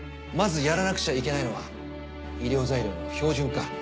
まずやらなくちゃいけないのは医療材料の標準化。